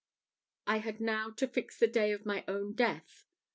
I had now to fix the day of my own death.